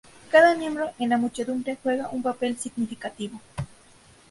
Cada miembro en la muchedumbre juega un papel significativo.